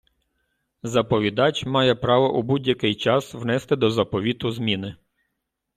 Заповідач має право у будь-який час внести до заповіту зміни.